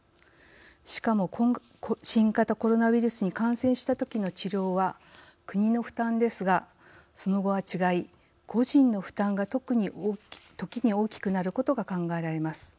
しかも新型コロナウイルスに感染したときの治療は国の負担ですがその後は違い個人の負担が時に大きくなることが考えられます。